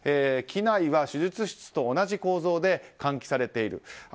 機内は手術室と同じ構造で換気れている。